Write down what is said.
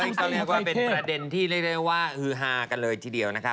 เอออีกหนึ่งเรื่องก็เป็นประเด็นที่เรียกได้ว่าฮือฮากันเลยทีเดียวนะครับ